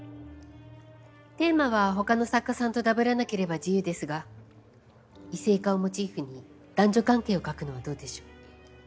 テーマは他の作家さんとダブらなければ自由ですが異性化をモチーフに男女関係を書くのはどうでしょう？